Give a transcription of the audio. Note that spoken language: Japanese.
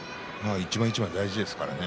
一番一番大切ですからね。